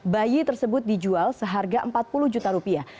bayi tersebut dijual seharga empat puluh juta rupiah